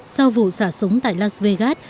sau vụ xả súng tại las vegas